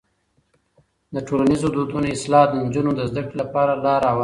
د ټولنیزو دودونو اصلاح د نجونو د زده کړې لپاره لاره هواروي.